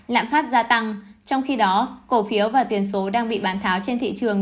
lạm phát gia tăng trong khi đó cổ phiếu và tiền số đang bị bán tháo trên thị trường